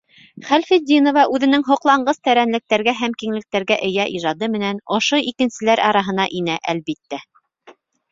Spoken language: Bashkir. Хәлфетдинова үҙенең һоҡланғыс тәрәнлектәргә һәм киңлектәргә эйә ижады менән ошо икенселәр араһына инә, әлбиттә.